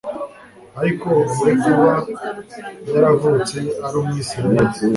Ariko we kuba yaravutse ari UmwIsiraheli,